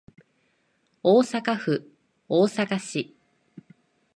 大阪府大阪市